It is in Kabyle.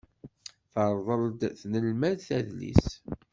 Terḍel-d tnelmadt adlis.